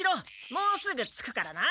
もうすぐ着くからな。